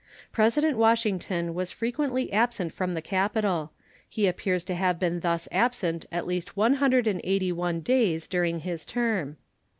President Washington was frequently absent from the capital; he appears to have been thus absent at least one hundred and eighty one days during his term.